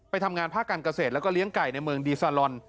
ทำงานภาคการเกษตรแล้วก็เลี้ยงไก่ในเมืองดีซาลอน